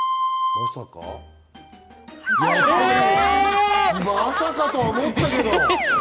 まさかと思ったけど。